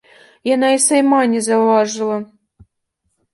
Яна й сама не заўважыла.